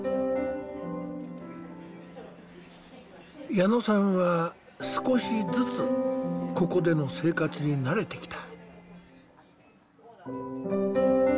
矢野さんは少しずつここでの生活に慣れてきた。